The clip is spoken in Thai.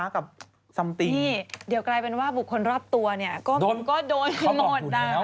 ใกล้เป็นว่าบุคคลรับตัวก็โดยหมด